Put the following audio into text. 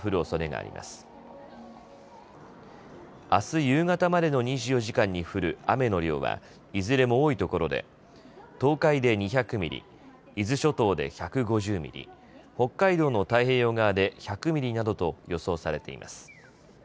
あす夕方までの２４時間に降る雨の量は、いずれも多いところで東海で２００ミリ、伊豆諸島で１５０ミリ、北海道の太平洋側で１００ミリなどと予想されています。